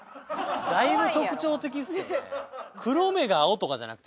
だいぶ特徴的ですけどね。